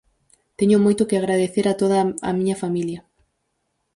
Teño moito que agradecer a toda a miña familia.